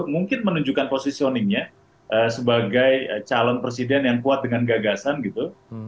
mungkin menunjukkan posisioningnya sebagai calon presiden yang kuat dengan gagasan gitu